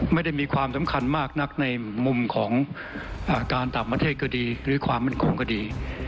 ไม่ได้มีความสำคัญมากนักในมุมของการต่างประเทศก็ดีหรือความมั่นคงก็ดี